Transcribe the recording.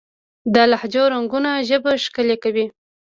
د لهجو رنګونه ژبه ښکلې کوي.